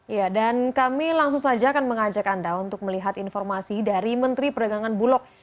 ya dan kami langsung saja akan mengajak anda untuk melihat informasi dari menteri perdagangan bulog